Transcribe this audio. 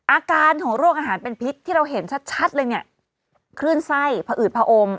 อาการของโรคอาหารเป็นพิษที่เราเห็นชัดเลยเนี่ยคลื่นไส้พออืดผอม